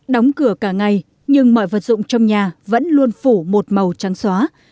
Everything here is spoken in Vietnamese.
đóng cửa cả ngày nhưng mọi vật dụng trong nhà vẫn luôn phủ một màu trắng xóa